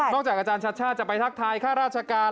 จากอาจารย์ชัชชาติจะไปทักทายค่าราชการ